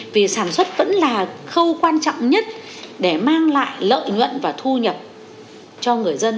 vì sản xuất vẫn là khâu quan trọng nhất để mang lại lợi nhuận và thu nhập cho người dân